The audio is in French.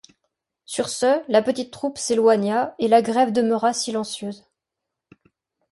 Sur ce, la petite troupe s’éloigna, et la grève demeura silencieuse.